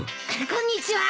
こんにちは。